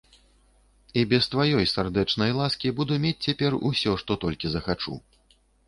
І без тваёй сардэчнай ласкі буду мець цяпер усё, што толькі захачу.